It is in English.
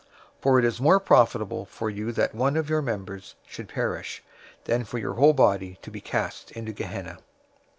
For it is more profitable for you that one of your members should perish, than for your whole body to be cast into Gehenna.